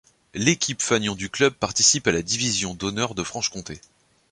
L'équipe fanion du club participe à la Division d'Honneur de Franche-Comté.